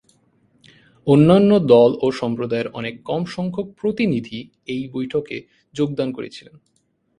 অন্যান্য দল ও সম্প্রদায়ের অনেক কম সংখ্যক প্রতিনিধি এই বৈঠকে যোগদান করেছিলেন।